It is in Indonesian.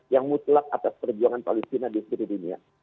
yang mutlak atas perjuangan palestina di seluruh dunia